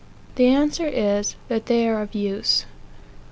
The answer is, that they are of use, 1.